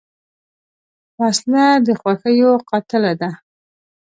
وسله د خوښیو قاتله ده